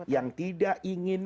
yang tidak ingin